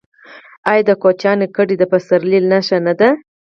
آیا د کوچیانو کډې د پسرلي نښه نه ده؟